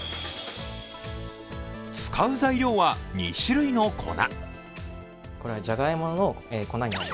使う材料は２種類の粉。